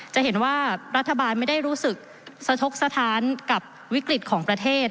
จะเห็นว่ารัฐบาลไม่ได้รู้สึกสะทกสถานกับวิกฤตของประเทศ